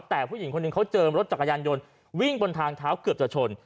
แต่ผู้หญิงคนหนึ่งเขาเจอรถจักรยานยนต์วิ่งบนทางเท้าเกือบจะชน